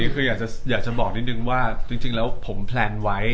คืออยากจะบอกนิดนึงว่าจริงแล้วผมแพลนไว้